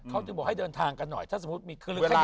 เค้าจะบอกให้เดินทางกันหน่อยถ้าสมมุติมีเครื่องขยับขึ้นเมื่อ